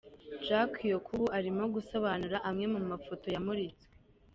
Jack Yakubu arimo gusobanura amwe mu mafoto yamuritswe.